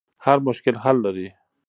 هر مشکل حل لري.